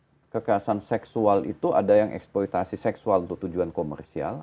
tergantung bentuknya jadi kekerasan seksual itu ada yang eksploitasi seksual untuk tujuan komersial